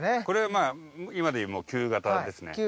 これはまあ今でいう旧型ですね。